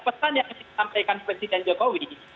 pesan yang disampaikan presiden jokowi